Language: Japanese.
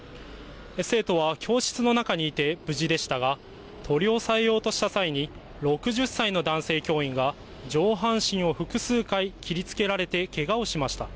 生徒は教室の中にいて無事でしたが、取り押さえようとした際に、６０歳の男性教員が、上半身を複数回切りつけられてけがをしました。